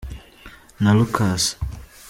na Lucas